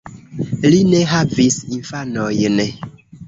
Li ne havis infanojn.